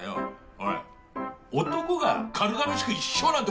「おい男が軽々しく“一生”なんて言葉使うな！」。